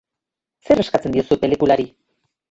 Zer eskatzen diozu pelikulari?